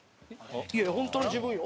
いやいや本当の自分よ。